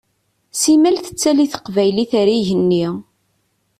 Simmal tettali teqbaylit ar igenni.